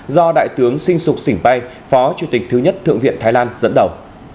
do đại tướng sinh sục sỉnh bay phó chủ tịch thứ nhất thượng viện thái lan dẫn đầu